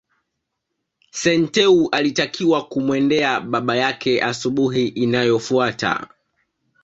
Senteu alitakiwa kumwendea baba yake asubuhi inayofuata